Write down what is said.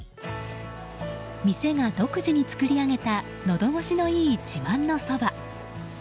店が独自に作り上げたのど越しのいい自慢のそば。